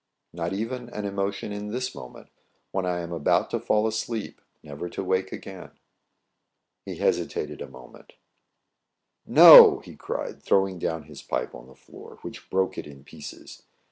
" Not even an emotion in this moment when I am about to fall asleep never to wake again !'* He hesitated a moment. " No !" he cried, throwing down his pipe on the floor, which broke it in pieces.